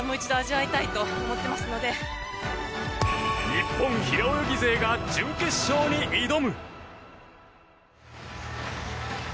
日本平泳ぎ勢が準決勝に挑む。